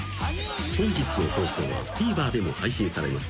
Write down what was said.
［本日の放送はＴＶｅｒでも配信されます。